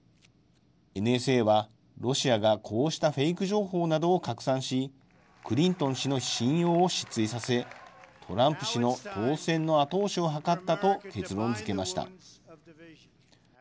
ＮＳＡは、ロシアがこうしたフェイク情報などを拡散し、クリントン氏の信用を失墜させ、トランプ氏の当選の後押しを図ったと結論づけました。